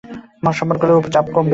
মহাসড়কগুলোর ওপর চাপ কমবে।